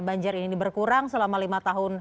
banjir ini berkurang selama lima tahun